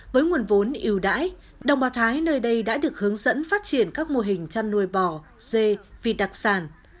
với nguồn vốn yếu đải đồng bào thái nơi đây đã được hướng dẫn phát triển các mô hình chăn nuôi bò dê vịt đặc sản